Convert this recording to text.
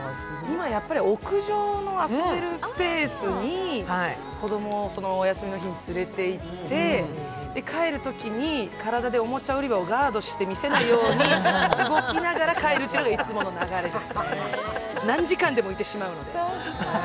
今、屋上の遊べるスペースに子供をお休みの日に連れていって帰るときに、体でおもちゃ売り場をガードして見せないようにするのがいつもの流れですね何時間でもいてしまうので。